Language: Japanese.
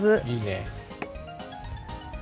いいね。